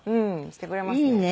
してくれますね。